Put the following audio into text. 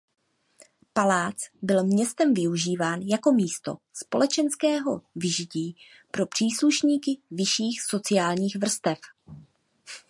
Palác byl městem využíván jako místo společenského vyžití pro příslušníky vyšších sociálních vrstev.